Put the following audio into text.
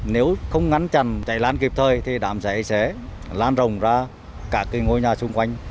nếu không ngăn chặn cháy lan kịp thời thì đám cháy sẽ lan rồng ra các ngôi nhà xung quanh